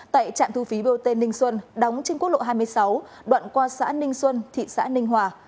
tại trạm thu phí bot ninh xuân đóng trên quốc lộ hai mươi sáu đoạn qua xã ninh xuân thị xã ninh hòa